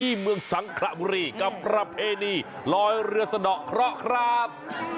เมืองสังขระบุรีกับประเพณีลอยเรือสะดอกเคราะห์ครับ